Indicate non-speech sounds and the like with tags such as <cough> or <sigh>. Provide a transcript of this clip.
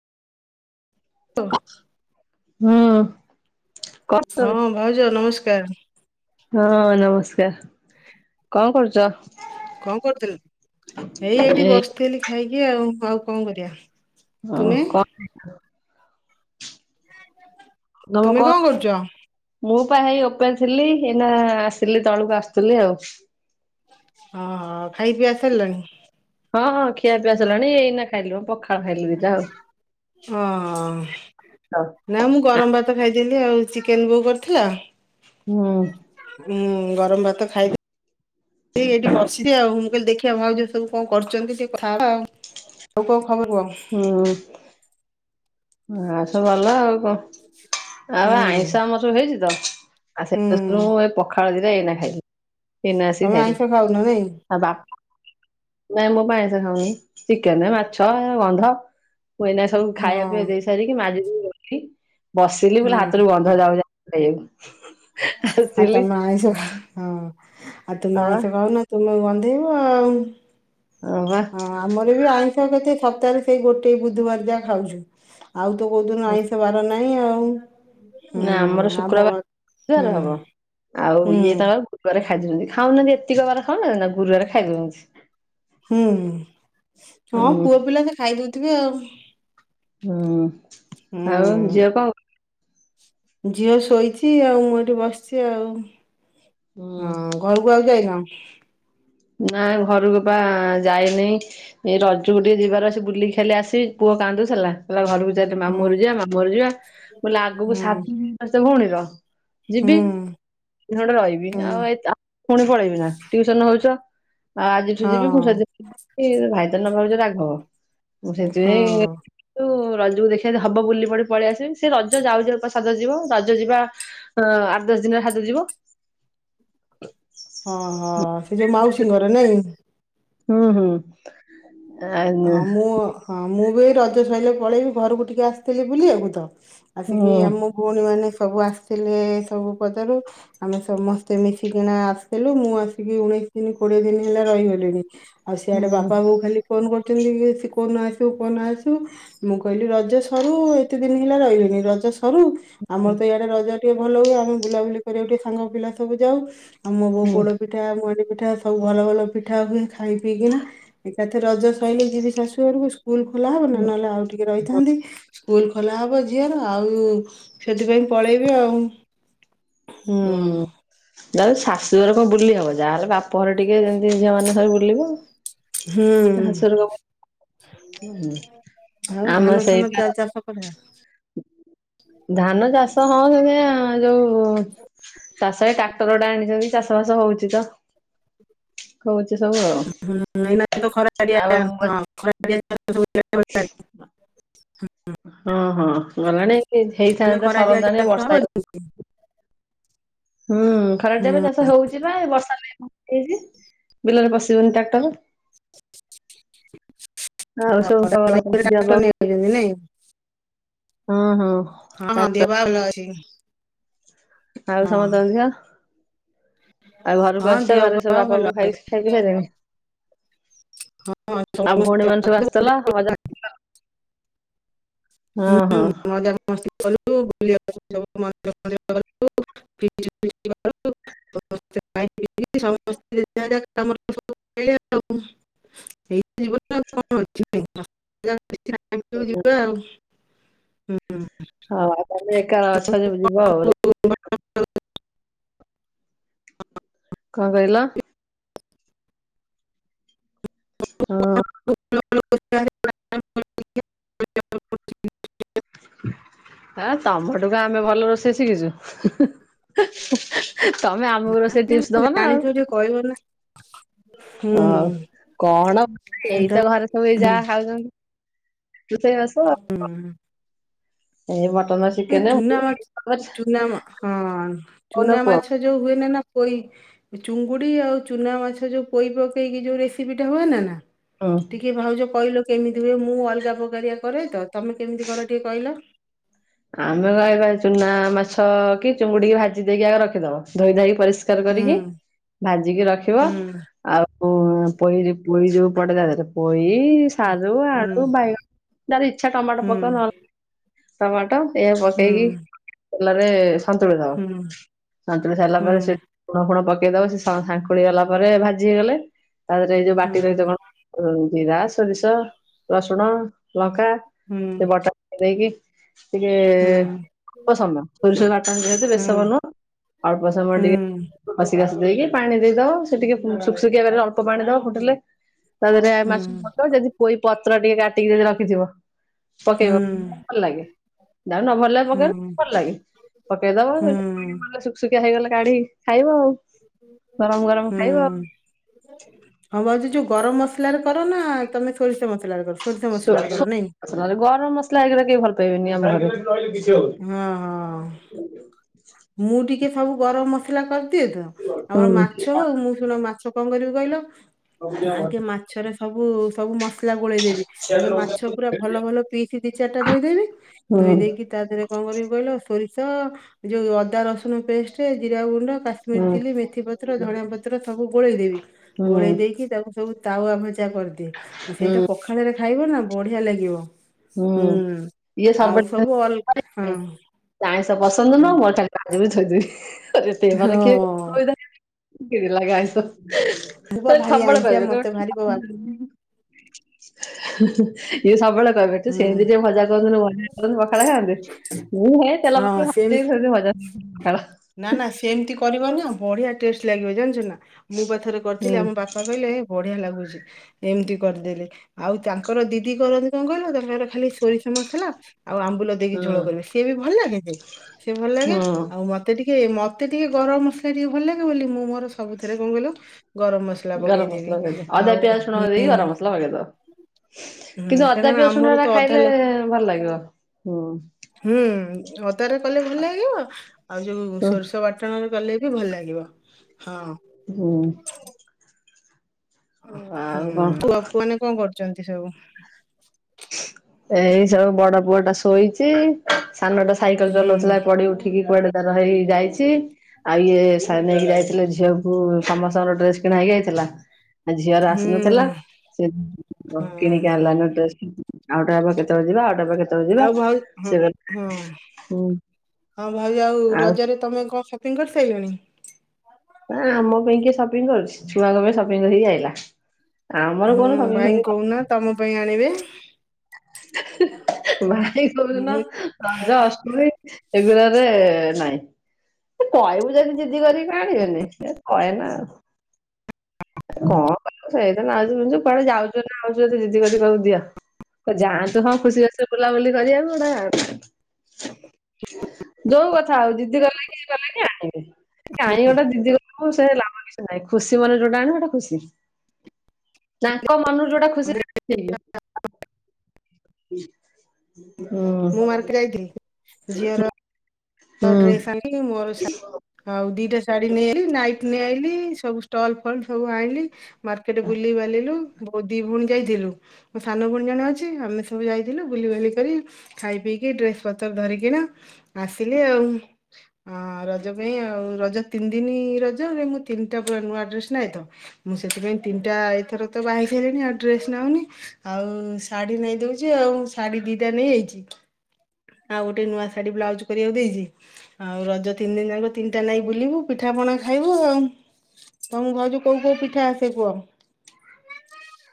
<inaudible> ହଁ। ହଁ ଭାଉଜ ନମସ୍କାର୍। ହଁ ନମସ୍କାର୍, କଁ କରୁଚ? କଁ କରୁଥିଲେ କି? ଏଇ ଏଇଠି ବସିଥିଲି ଖାଇକି ଆଉ ଆଉ କଁ କରିଆ। ହଁ କ ଦମେ ତୁମେ କଁ କଣ କରୁଛ? <unintelligible> ମୁଁ ପା ହେଇ ଉପରେ ଥିଲି ଏଇନା ଆସିଲି ତଳକୁ ଆସୁଥିଲି ଆଉ। ହଁ-ହଁ ଖାଇ ପିଆ ସାଲଣି? ହଁ-ହଁ ଖିଆପିଆ ସଲାଣି ଏଇନା ଖାଇଲୁ ପଖାଳ ଖାଇଲୁ ଦିଟା ଆଉ। ଆଉ ଅଁ-ଅଁ-ଅଁ ନା ମୁଁ ଗରମ ଭାତ ଖାଇଥିଲି ଆଉ ଚିକେନ୍ ବୋଉ କରିଥିଲା। ହୁଁ ଉଁ ଗରମ ଭାତ ଖାଇ ଏଇ ଏଇଠି ବସିଚି ଆଉ ମୁଁ କହିଲି ଦେଖିବା ଭାଉଜ ସବୁ କଣ କରୁଛନ୍ତି ଟିକେ କଥା ହବା ଆଉ। ଆଉ କଁ ଖବର୍ କୁଅ? ହୁଁ ଆଉ ସବୁ ଭଲ ଆଉ କଁ। ଆଉ ହୁଁ ଆଇଁଷ ଆମର ସବୁ ହେଇଛି ତ ଆଉ ହୁଁ ସେଥିପାଇଁ ମୁଁ ଏ ପଖାଳ ଦିଟା ଏଇନା ଖାଇଲି। ଏଇନା ଆସି ତମେ ଖାଇଲି ଆଇଁଷ ଖାଉନ ନାଇଁ ଆ ବାପ ନାଁ ମୁଁ ପା ଆଇଁଷ ଖାଉନି ଚିକେନ, ମାଛ ଗନ୍ଧ ମୁଁ ଏଇନା ସବୁ ଖାଇବା ପିଇବା ହଁ ଦେଇ ସାରିକି ମାଜିକି ବସିଲି, ବସିଲି ବୋଇ ହୁଁ ହାତରୁ ଗନ୍ଧ ଯାଉ ଯା ଖାଇଆକୁ ଆ ତମ ଆଇଷ ହଁ ଆଉ ତମେ ହଁ ବା ଆଇଁଷ ଖାଉନା ତୁମକୁ ଗନ୍ଧେଇବ ଆଉ। ହଁ ବା, ଆମର ବି ଆଇଁଷ କେତେ ସପ୍ତାହରେ ସେଇ ଗୋଟେ ବୁଧବାର ଯାହା ଖାଉଛୁ। ଆଉ ତ କୋଉଦିନ ଆଇଁଷ ବାର ନାହିଁ ଆଉ। ହୁଁ ନା ଆମର ଆମ ଘ ହୁଁ ଶୁକ୍ରବାରାର ହବ ଆଉ ଇଏ ହୁଁ ତାଙ୍କ ଗୁରୁବାରେ ଖାଇଦଉଛନ୍ତି ଖାଉନାହାଁନ୍ତି ଏତିକ ବାର ଖାଉନାହାଁନ୍ତି ନା ଗୁରୁବାରେ ଖାଇଦଉଛନ୍ତି। ହୁଁ ହୁଁ ହଁ ହୁଁ ପୁଅ ପିଲା ତ ଖାଇଦଉଥିବେ ଆଉ। ହୁଁ ଆଉ ଝିଅ ହୁଁ କଣ ଝିଅ ଶୋଇଛି ଆଉ ମୁଁ ଏଠି ବସିଛି ଆଉ। ହୁଁ ହଁ ଘରକୁ ଆଉ ଯାଇନ? ନା ଘରକୁ ବା ଯାଇନି। ଏଇ ରଜକୁ ଟିକେ ଯିବାର ଅଛି ବୁଲିକି ଖାଲି ଆସିବ ପୁଅ କାନ୍ଦୁ ଥିଲା। କହିଲା ଘରକୁ ଚାଲେ ମାମୁଁ ହୁଁ ଘରକୁ ଯିବା ମାମୁଁ ଘରକୁ ଯିବା, ମୁଁ କହିଲି ଆଗକୁ ହୁଁ ସାଧ ଭଉଣୀର ଯିବି ହୁଁ ଦିନଟେ ରହିବି ହୁଁ। ଆଉ ଏତ ପୁଣି ପଳେଇବି ନା ଟିଉସନ ହଉଛ। ଆଉ ଆଜିଠୁ ହଁ ଯିବି ମୁଁ ସେଥି ଭାଇ ତ ନ ଭାବୁଛି ରାଘବ ମୁଁ ସେଥିପାଇଁ ହଁ ତୁ ରଜକୁ ଦେଖିବା ଯଦି ହବ ବୁଲି ପଡି ପଳେଇ ଆସିବି ସେ ରଜ ଯାଉ ଯାଉ ବା ସାଦ ଯିବ ରଜ ଯିବା ହ ଆଠ ଦଶ ଦିନରେ ହାତ ଯିବ। ଓଁହୋ ସେ ଯୋଉ ମାଉସୀଙ୍କର ନାଇଁ କି? ହୁଁ ହୁଁ। ଆ ହଁ ମୁଁ ହଁ ମୁଁ ବି ଏ ରଜ ସଇଲେ ପଳେଇବି ଘରକୁ ଟିକେ ଆସିଥିଲି ବୁଲିବାକୁ ତ। ଆସିକି ହୁଁ ଆମ ଭଉଣୀ ମାନେ ସବୁ ଆସିଥିଲେ ସବୁ ପଦାରୁ, ଆମେ ସମସ୍ତେ ମିଶିକିନା ଆସିଥିଲୁ ମୁଁ ଆସିକି ଉଣେଇଶ ଦିନ କୋଡିଏ ଦିନ ହେଲା ରହିଗଲିଣି। ଆଉ ସିଆଡ଼େ ବାପା ହୁଁ ବୋଉ ଖାଲି ଫୋନ୍ କରିଛନ୍ତି ସେ କୋଉନ ଆସିବୁ କୋଉନ ଆସିବୁ, ମୁଁ କହିଲି ରଜ ସରୁ ଏତେ ଦିନ ହେଲା ରହିଲିଣିି ରଜ ସରୁ ଆମର ତ ଇଆଡେ ରଜା ଟିକେ ଭଲ ହୁଏ ଆମେ ବୁଲାବୁଲି କରିବାକୁ ଟିକେ ସାଙ୍ଗ ପିଲା ସବୁ ଯାଉ। ଆମବୋଉ ହୁଁ ପୋଡ ପିଠା ମଇଣ୍ଡି ପିଠା ସବୁ ଭଲ ଭଲ ପିଠା ହୁଏ ଖାଇ ପିଇକିନା ଏକା ଏଥର ରଜ ସଇଲେ ଯିବି ଶାଶୁ ଘରକୁ ସ୍କୁଲ ଖୋଲା ହବ ନା ନହେଲେ ଆଉ ଟିକେ ରହିଥାନ୍ତି। ସ୍କୁଲ ଖୋଲା ହବ ଝିଅର ଆଉ ସେଥିପାଇଁ ପଳେଇବି ଆଉ। ହୁଁ। ଯାହେଲେ ଶାଶୁ ଘର କଣ ବୁଲି ହବ ଯାହାହେଲେ ବାପଘର ଟିକେ ଯେମିତି ଝିଅ ମାନେ ସବୁ ବୁଲିବ। ହୁଁ, ଶାଶୁଘର କଣ ବୁଲି ଆଉ ଆମ ଧାନ ସେଇ ଫାନ ଚା ଚାଷ କଲା ଧାନ ଚାଷ ହଁ ସେମତିକା ଯୋଉ ଚାଷରେ ଟ୍ରାକ୍ଟର ଟା ଆଣିଛନ୍ତି ଚାଷ ବାସ ହଉଛି ତ। କହୁଛି ସବୁ ଆଉ, ହଁ ଏଇ ତ ଆଉ ଖରାଆଁ ହଁ ଖ <unintelligible> ହଁ ହଁ ଗଲାଣି ହେଇଥାନ୍ତା ସରନ୍ତାଣି ବର୍ଷା ଓ ହେଇ ହୁଁ ଖରାଟିଆ ବା ଚାଷ ହଉଛି ବା ବର୍ଷା ହୋଇଛି ବିଲରେ ପଶିବନି ଟ୍ରାକ୍ଟର। ଆଉ ସବୁ ଖବର କହ ଟ୍ରାକ୍ଟର ଯବା ନେଇଯାଇଛନ୍ତି ନାଇଁ ହୁଁ ହଁ। ହଁ ଦେହ ଟ୍ରାକ୍ଟର ପା ଭଲ ଅଛି। ଆଉ ହଁ ସମସ୍ତେ ଦିହ ଆଉ ଘରକୁ ହଁ ଆସିଛ ଦେହ ଘରେ ସବୁ ପା ବାପା ଭଲ ବୋଉ ଖାଇ ଅଛି। ଖାଇପିଇ ସାରଲେଣି ହଁ ଆଉ ଭଉଣୀ ମାନେ ସବୁ ସମସ୍ତେ ଆସିଥିଲ ମଜା ହଁ ହୁଁ ହଁ ମଜାମସ୍ତି କଲୁ <unintelligible> ୍ରି <unintelligible> ସମସ୍ତେର ସବ ମିଳ <unintelligible> <inaudible> <inaudible> <inaudible> ହ ତମେ ଏକା ଅଛ ତମକୁ ଯେବେ ଯିବ କଣ ଆଉ। ସବୁ ଭଲ କଣ କହିଲ? ହଁ। <inaudible> ହ ତମଠୁ ତ ଆମେ ଭଲ ରୋଷେଇ ଶିଖିଛୁ? ତମେ ଆମକୁ ରୋସେଇ ଟିପ୍ସ ଦବ ନା ଆଉ। <inaudible> କରିବ ନାଁ। ହଉ କଣ କରିବି ଆଉ ଏଇତ ତମେ- ଘରେ ସବୁ ଏ ଯାହା ହୁଁ ଖାଉସନ୍ତି। ରୁଷେଇ ବାସ ଏଇ ବର୍ତ୍ତ ସେ ଚୁନା ମା ଚୁନା ମା ହଁ କହୁନ ଚୁନା କୁହ ମାଛ ଛ ଯୋଉ ହୁଏନ ନା ନା ପୋଇ ଚୁଙ୍ଗୁଡି ଆଉ ଚୁନା ମାଛ ଯୋଉ ପୋଇ ପକେଇକି ଯୋଉ ରେସିପି ଟା ହୁଏ ନା ନା ହୁଁ ଟିକେ ଭାଉଜ କଇଲ କେମିତି ହୁଏ ମୁଁ ଅଲଗା ପକାରିଆ କରେ ତ ତମେ କେମିତି କର ଟିକେ କଇଲ? ଆମେ ବା ଏଇ ଚୁନା ମାଛ କି ଚୁଙ୍ଗୁଡିକି ଭାଜି ଦେଇକି ଆଗ ରଖିଦବ ଧୋଇ ଧାଇକି ପରିସ ସ୍କାର ହୁଁ କରିକି ଭାଜିକି ରଖିବ। ହୁଁ ଆଉ ପୋଇ ଜ ପୋଇ ଯଉ ପଡେ ତାଦେହେରେ ପୋଇ ସାରୁ ହୁଁ ଆଳୁ ବାଇଗଣ ଯାର ଇଛା ଟମାଟୋ ହୁଁ ପକା ନହେଲେ ନାଇଁ ଟମାଟ ଏଇଆ ପକେଇକି ହୁଁ ତେଲରେ ସନ୍ତୁଳି ଦବ ସନ୍ତୁଳି ସାରିଲା ହୁଁ ପରେ ସେ ଲୁଣ ଫୁଣ ପକେଇଦବ ସେ ସାଙ୍ଖୁଳି ଗଲା ପରେ ଭାଜି ହେଇଗଲେ ତାହରେଇ ଯୋଉ ହୁଁ ବାଟି ଦେଇଚ କଣ ଜିରା ସୋରିଷ ରସୁଣ ଲଙ୍କା ହୁଁ ସେ ବଟା ଦେଇକି ଟିକେ ଏ ହୁଁ ଅଳ୍ପ ସମୟ <unintelligible> ହୁଁ ନୁହଁ ଅଳ୍ପ ସମୟ ହୁଁ ଟିକେ କଷି କାଷି ଦେଇକି ପାଣି ଦେଇଦବ ସେ ଟିକେ ସୁଖିସୁଖିଆ କରି ଅଳ୍ପ ପାଣି ଦବ ଫୁଟିଲେ ତା ଦେହରେ ହୁଁ ମାଛକୁ ପକେଇବ ଯଦି ପୋଇ ପତ୍ର ଟିକେ କାଟିକି ଯଦି ରଖିଥିବ ହୁଁ ପକେଇବ। ଭଲ ଲାଗେ। ଯାହାକୁ ନ ଭଲ ଲାଗେ ହୁଁ ପକେଇବେନି ଭଲ ଲାଗେ। ପକେଇଦବା ହୁଁ ସେଟିକେ ହୁଁ ପାଣିମଲେ ସୁୁଖୁସୂଖିଆ ହେଇଗଲେ କାଢି ଖାଇବ ଆଉ। ଗରମ ଗରମ ଖାଇବ ଆଉ ହୁଁ। ହଁ ଭାଉଜ ଯୋଉ ଗରମ ମସଲାରେ କର ନା ତମେ ସୋରିଷ ମସଲାରେ କର? ସୋରିଷ ସୋ ମସଲାରେ କର ନାଇଁ ସୋ ନହେଲେ ଗରମ ମସଲା ହେଇଗଲେ କେହି ଭଲ ପାଇବେନି ଆମ ଘରେ। ହୁଁ ହଁ ହଁ। ମୁଁ ଟିକେ ସବୁ ଗରମ ମସଲା କରିଦିଏ ତ ଆମର ହୁଁ ମାଛ ହଉ ମୁଁ ଶୁଣ ମାଛ କଣ କରିବି କହିଲ ଆଗେ ମାଛରେ ସବୁ ସବୁ ମସ ଗୋଳେଇ ଦେବୀ ଆଗ ମାଛ ପୁରା ଭଲ ଭଲ ପିସି ଦି ଚାରିଟା ଧୋଇଦେବି ଧୋଇ ଦେଇକି ତା ଦେହରେ କଣ କରିବି କହିଲ ସୋରିଷ ଯୋଉ ଅଦା ରସୁଣ ପେଷ୍ଟ ଜିରା ଗୁ ଣ୍ଡ ହୁଁ କାଶ୍ମୀରି ଚିଲି ମେଥି ପତ୍ର ଧଣିଆ ପତ୍ର ସବୁ ଗୋଳେଇ ଦେବି ଗୋଳେଇ ଦେଇକି ତାକୁ ତାକୁ ତାୱ ଭଜା କରିଦିଏ। ହୁଁ ସେଇଟା ପଖାଳରେ ଖାଇବ ନା ବଢିଆ ଲାଗିବ। ହୁଁ ଇଏ ଆଉ ସବୁବେଳେ ସବୁ ଅଲ ହଁ ଆଇଁଷ ପସନ୍ଦ ହୁଁ। ନୁହଁ <unintelligible> ହଁ ଚିଡି ଲାଗେ ଆଇଁସ ମୁଁ ବା ଭାରି ସବୁବେଳେ ଆଇଁଷିଆ କହିବେ ମତେ ଭାରି ବା- <unintelligible> ଇଏ ସବୁବେଳେ କହିବେ ସେମିତି ହୁଁ ଟିକିଏ ଭଜା କରିଦଉନୁ ବଢିଆ ଲାଗିବ ପଖାଳ ଖାନ୍ତେ। ମୁଁ ହେ ତେଲ ହଁ ସେମ ମସଲା <unintelligible> ନା ନା ସେମିତି କରିବନା ବଢିଆ ଟେଷ୍ଟ ଲାଗିବ ଜାଣିଛୁ ନା ମୁଁ ପା ଥରେ ହୁଁ କରିଥିଲି ଆମ ବାପ ପା କହିଲେ ବଢିଆ ଲାଗୁଛି ଏମିତି କରିଦେଲେ ଆଉ ତାଙ୍କର ଦିଦି କରନ୍ତି କଣ କହିଲ? ଆଉ ତାଙ୍କର ଖାଲି ସୋରିଷ ମସଲା ଆଉ ଆମ୍ବୁଲ ଦେଇକି ଝୋଳ ହୁଁ କରିବେ ସିଏ ବି ଭଲ ଲାଗେ ଯେ ସିଏ ଭଲ ଲାଗେ ହୁଁ। ଆଉ ମ ମତେ ଟିକ ମତେ ଟିକେ ଗରମ ମସଲା ଟିକେ ଭଲ ଲାଗେ ବୋଲି ମୁଁ ମୋର ସବୁଥେରେ କଣ କହିଲ ଗରମ ମସଲା ଗରମ ପକେଇଦେବି ମସଲା ପକେଇଦିଅ ଅଦା ଆଉ ପିଆଜ ଶୁଣ ଦେଇକି ହୁଁ। ଗରମ ମସଲା ପକେଇଦବ। ହୁଁ କା <unintelligible> ଖାଇଲେ ଭଲ ଲାଗିବ ହୁଁ। ହୁଁ ଅଦା ରେ କଲେ ଭଲ ଲାଗିବ ଆଉ ଯୋଉ ସୋରଷ ବାଟ ଟଣରେ କଲେ ବି ଭଲ ଲାଗିବ ହଁ। ହୁଁ। ହୁଁ ଆଉ କଣ ତୁ ବାପୁ ମାନେ କଣ କରୁଛନ୍ତି ସବୁ ଏଇ ସବୁ ବଡ ପୁଅ ଟା ଶୋଇଛି ସାନଟା ସାଇକଲ ହୁଁ ଚଲାଉଥିଲା ପଡି ଉଠିକି କୁଆଡେ ତାର ହେଇ ଯାଇଛି ଆଉ ଇଏ ନେଇକି ଯାଇଥିଲେ ଝିଅକୁ ସମସ୍ତଙ୍କର ଡ୍ରେସ କିଣା ହେଇକି ଆଇଥିଲା। ଆ ଝିଅ ର ହୁଁ ଆସିନଥିଲା ସେ ହୁଁ କିଣିକି ଆଣିଲାଏନୁ ଡ୍ରେସ ଆଉଟିକେ ବାପା କେତେବେଳେ ଯିବା ଆଉଟି କେତେ ଆଉ ଭାଉ ହ ହଁ ହଁ ଭାଉଜ ଆଉ ରଜରେ ତମେ କଣ ସ ପିଙ୍ଗି କରି ସାଇଲଣି ନା ଆମ ପାଇଁ କିଏ ସପିଙ୍ଗ କରୁଛି ଛୁଆଙ୍କ ପାଇଁ ସପିଙ୍ଗ ହେଇି ଆଇଲା। ଆମର ହୁଁ କଣ ସପିଂ ଭାଇଙ୍କି ଫପିଂ କହୁନ ତମ ପାଇଁ ଆଣିବେ। ଭାଇ କଉଦିନ ମୁଁ ରଜ ଅଷ୍ଟ ଏ ଏଗୁଡାରେ ନାଇଁ ତୁ କହିବୁ ଯଦି ଜିଦି କରିକି ଆଣିବେନି କହେ ନା ଆଉ <inaudible> କଣ ସେଇତ ନାଉଛୁ ପିନ୍ଧୁଚୁ କୁଆଡେ ଯାଉଛୁ ନା ଆଉଛୁ ଜିଦି ଗଦି କରିବୁ ଦିଅ। ଯାଆନ୍ତୁ ହଁ ଖୁସି ଖସି ରେ ବୁଲାବୁଲି କରିବାକୁ ଗୋଟା ଆ <inaudible> ଯୋଉ କଥା ଆଉ ଦିଦି ଗଲା କିଏ ଗଲା କି ଆଣିବେ କାହିଁ ଗୋଟେ ଦିଦି ଗ ହଁ ସେ ଲାଭ କିଛି ନାହିଁ ଖୁସି ମନେ ଯୋଉଟା ଆଣବ ସେଟା ଖୁସି ତାଙ୍କ ମନରୁ ଯୋଉଟା ଖୁସି ରେ ଆଣିବେ ଠିକ। ମୁଁ ହୁଁ। ମାର୍କେଟ ଯାଇଥିଲି ଝିଅର ହୁଁ। ଡ୍ରେସ୍ ଆଣିଲି ମୋର ଶା ଆଉ ଦିଟା ଶାଢୀ ନେଇଲିି ନାଇଟ ନେଇ ଆଲି ସବୁ ଷ୍ଟଲ ଫଲ ସବୁ ଆଣିଲି। ମାର୍କେଟ ବୁଲି ବାଲିଲୁ ଦି ଭଉଣୀ ଯାଇଥିଲୁ ମୋ ସାନ ଭଉଣି ଜଣେ ଅଛି ଆମେ ସବୁ ଯାଇଥିଲୁ ବୁଲିିବାଲି କରି ଖାଇ ପିଇକି ଡ୍ରେସ ପତ୍ର ଧରିକି ନା ଥିଲି ଆଉ ହ ରଜ ପାଇଁ ଆଉ ରଜ ତିନି ଦିନ ରଜ ମୁଁ ତିନିଟା ପା ନୂଆ ଡ୍ରେସ ନାଇଁଥ ମୁଁ ସେଥିପାଇ ତିନିଟା ଏଇଥର ତ ବାହି ସାରିଲିଣି ଆଉ ଡ୍ରେସ ନଉନି ଆଉ ଶାଢୀ ନେଇାଇ ଦଉଛି ଆଉ ଶାଢୀ ଦିଟା ନେଇଯାଇଛି। ଆଉ ଗୋଟ ନୂଆ ଶାଢି ବ୍ଲଉଜ କରିବାକୁ ଦେଇଛି ଆଉ ରଜ ତିନି ଦିନ ଯାଣକ ତିନିଟା ନାଇ ବୁଲିବୁ ପିଠା ପଣା ଖାଇବୁ ଆଉ। ତମକୁ ଭାଉଜୁ କୋଉ କୋଉ ପିଠା ଆସେ କୁହ